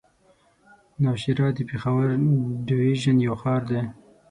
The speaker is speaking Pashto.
نوشهره د پېښور ډويژن يو ښار دی.